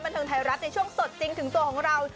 เทิงไทยรัฐในช่วงสดจริงถึงตัวของเรา